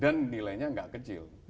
dan nilainya tidak kecil